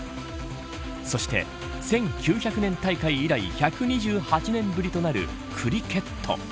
そして、１９００年大会以来１２８年ぶりとなるクリケット。